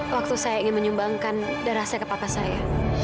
waktu saya ingin menyumbangkan darah saya ke papa saya